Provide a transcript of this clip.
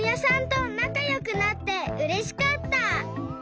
となかよくなってうれしかった！